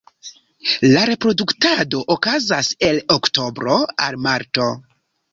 La reproduktado okazas el oktobro al marto.